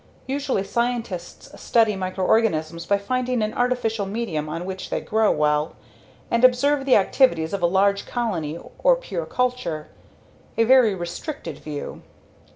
Usually, scientists study microorganisms by finding an artificial medium on which they grow well and observe the activities of a large colony or pure culture a very restricted view.